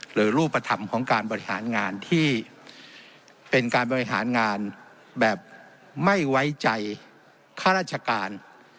หรือรูปธรรมของการบริหารงานที่เป็นการบริหารงานแบบไม่ไว้ใจข้าราชการ